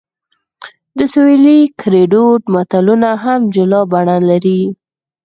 د سویلي ګړدود متلونه هم جلا بڼه لري